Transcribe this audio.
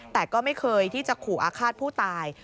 แต่ก็ไม่เคยที่จะขู่อาฆาตผู้ตาย